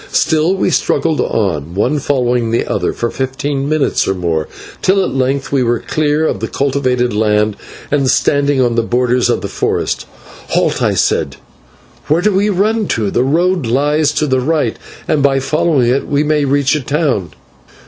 Still we struggled on, one following the other, for fifteen minutes or more, till at length we were clear of the cultivated land and standing on the borders of the forest. "Halt," I said, "where do we run to? The road lies to the right, and by following it we may reach a town."